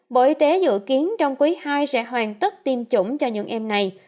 bộ y tế dự kiến trong quý ii sẽ hoàn tất tiêm chủng cho những em này